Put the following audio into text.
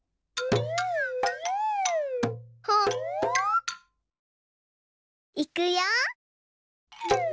ほっいくよ！